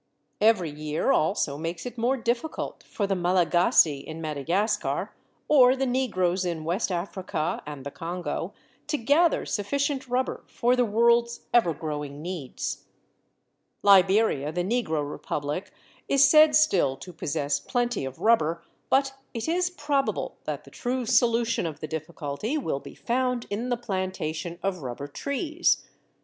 Every year also makes it more difficult for the Malagasy in Madagascar, or the Negroes in West Africa and the Congo, to gather sufficient rubber for the world's ever growing needs. Liberia, the Negro Republic, is said still to possess plenty of rubber; but it is probable that the true solution of the difficulty will be found in the plantation of rubber trees.